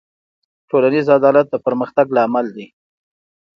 ټولنیز عدالت د پرمختګ لامل دی.